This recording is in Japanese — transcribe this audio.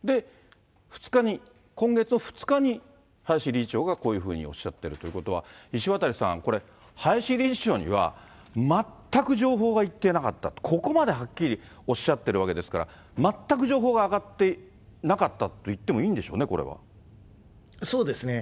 ２日に、今月の２日に林理事長がこういうふうにおっしゃってるということは、石渡さん、これ、林理事長には全く情報がいってなかったと、ここまではっきりおっしゃってるわけですから、全く情報が上がってなかったと言ってもいいんでしょうね、そうですね。